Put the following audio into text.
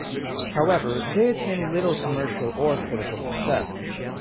However, they attained little commercial or critical success.